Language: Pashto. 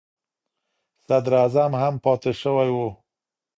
صدر اعظم هم پاتې شوی و.